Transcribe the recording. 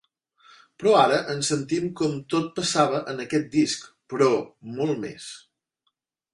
Però ara ens sentim com tot passava en aquest disc, però molt més.